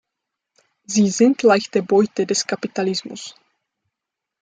Sie sind leichte Beute des Kapitalismus.